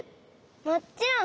もっちろん！